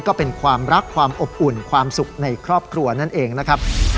ก็เป็นความรักความอบอุ่นความสุขในครอบครัวนั่นเองนะครับ